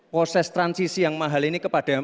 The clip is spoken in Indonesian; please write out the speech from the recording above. proses transisi yang mahal ini kepada yang